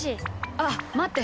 あっまって！